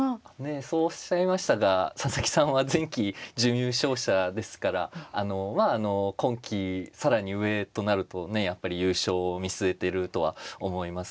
そうおっしゃいましたが佐々木さんは前期準優勝者ですからまああの今期更に上となるとねやっぱり優勝を見据えているとは思います。